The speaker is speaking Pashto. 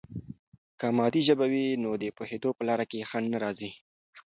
که مادي ژبه وي، نو د پوهیدو په لاره کې خنډ نه راځي.